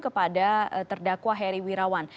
kepada terdakwa heri wirawan